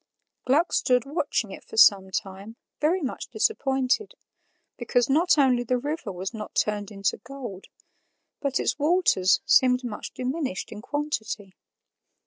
Gluck stood watching it for some time, very much disappointed, because not only the river was not turned into gold, but its waters seemed much diminished in quantity.